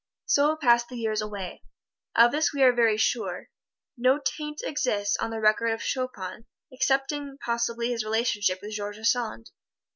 So passed the years away. Of this we are very sure no taint exists on the record of Chopin excepting possibly his relationship with George Sand.